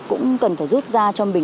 cũng cần phải rút ra cho mình